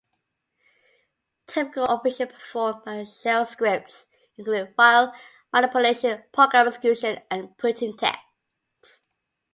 Typical operations performed by shell scripts include file manipulation, program execution, and printing text.